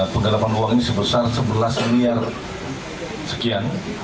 penggalapan uang ini sebesar sebelas miliar sekian